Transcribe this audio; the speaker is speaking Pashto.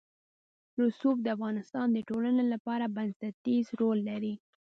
رسوب د افغانستان د ټولنې لپاره بنسټيز رول لري.